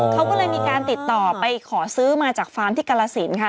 เขาก็เลยมีการติดต่อไปขอซื้อมาจากฟาร์มที่กรสินค่ะ